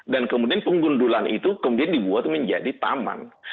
dan kemudian penggundulan itu kemudian dibuat menjadi taman